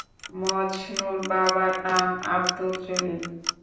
মজনুর বাবার নাম আবদুল জলিল।